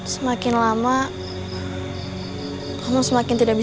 saya pak cinta rakan sudah mabuk